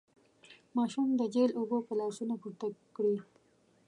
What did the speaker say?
ماشوم د جهيل اوبه په لاسونو پورته کړې.